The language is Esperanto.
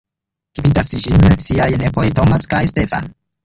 Gvidas ĝin ŝiaj nepoj Thomas kaj Stephan.